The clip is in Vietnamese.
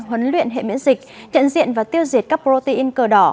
huấn luyện hệ miễn dịch nhận diện và tiêu diệt các protein cờ đỏ